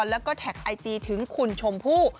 แล้วก็แท็กไอจีถึงคุณชมพู่